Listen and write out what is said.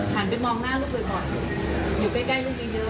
หันไปมองหน้าลูกบ่อยอยู่ใกล้ลูกเยอะ